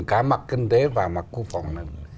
cả mặt kinh tế và mặt quốc phòng an ninh